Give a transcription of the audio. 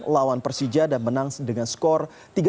lawan persija dan menang dengan skor tiga satu